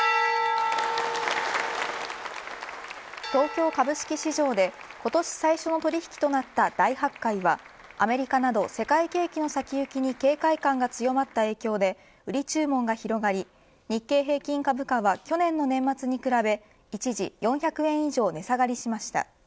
東京株式市場で今年最初の取引となった大発会はアメリカなど、世界景気の先行きに警戒感が強まった影響で売り注文が広がり日経平均株価は去年の年末に比べ一時４００円以上値下がりしました。